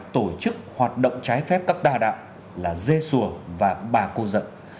tổ chức hoạt động trái phép các đa đạo là dê xuồng và bà cô dận